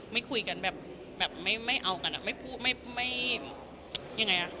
ไม่คุยกันแบบไม่เอากันอ่ะไม่พูดไม่ยังไงอ่ะ